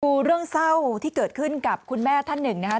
ดูเรื่องเศร้าที่เกิดขึ้นกับคุณแม่ท่านหนึ่งนะครับ